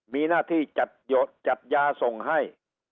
มีหน้าที่จัดยาส่งให้